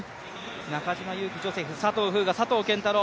中島佑気ジョセフ、佐藤風雅佐藤拳太郎。